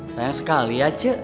sayang sekali ya ce